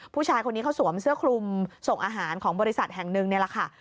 ผู้ชายคนนี้เขาสวมเสื้อคลุมส่งอาหารของบริษัทแห่งหนึ่งนี่แหละค่ะ